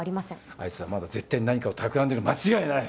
あいつはまだ絶対に何かをたくらんでる間違いない。